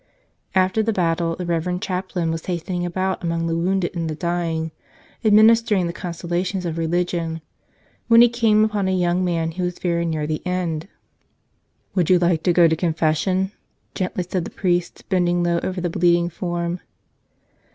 After the battle the Reverend Chaplain was hasten¬ ing about among the wounded and the dying, admin¬ istering the consolations of religion, when he came upon a young man who was very near the end. "Would you like to go to confession?" gently said the priest, bending low over the bleeding form.